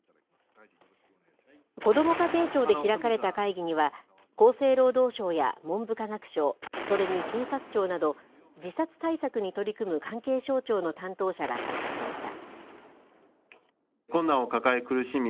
こども家庭庁で開かれた会議には厚生労働省や文部科学省それに警察庁など自殺対策に取り組む関係省庁の担当者が参加しました。